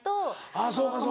あぁそうかそうか。